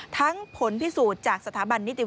ผลพิสูจน์จากสถาบันนิติ